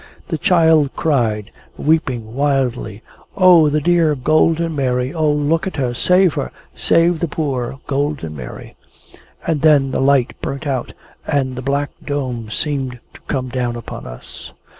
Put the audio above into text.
The child cried, weeping wildly, "O the dear Golden Mary! O look at her! Save her! Save the poor Golden Mary!" And then the light burnt out, and the black dome seemed to come down upon us.